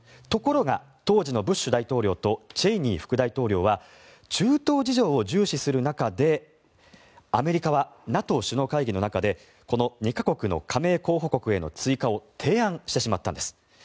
ところが当時のブッシュ大統領とチェイニー副大統領は中東事情を重視する中でアメリカはＮＡＴＯ首脳会議の中でこの２か国の加盟候補国への追加を提案してしまったんです。